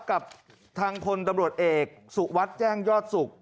กับทางคนตำรวจเอกสุวัตย์แจ้งยอดสุข